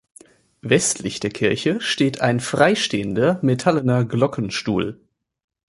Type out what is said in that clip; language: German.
Westlich der Kirche steht ein freistehender, metallener Glockenstuhl.